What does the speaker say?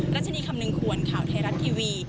รัชนีคำนึงควรข่าวไทยรัฐทีวี